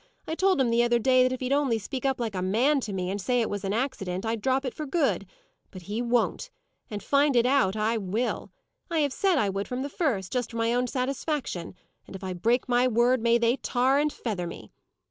I told him the other day that if he'd only speak up like a man to me, and say it was an accident, I'd drop it for good. But he won't. And find it out, I will. I have said I would from the first, just for my own satisfaction: and if I break my word, may they tar and feather me!